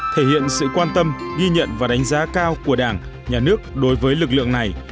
thể hiện sự quan tâm ghi nhận và đánh giá cao của đảng nhà nước đối với lực lượng này